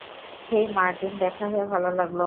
হেই Martin, দেখা হয়ে ভালো লাগল।